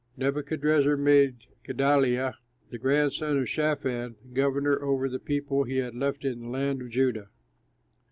Nebuchadrezzar made Gedaliah, the grandson of Shaphan, governor over the people he had left in the land of Judah.